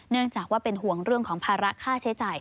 เนื่องจากว่าเป็นห่วงเรื่องของภาระค่าใช้จ่าย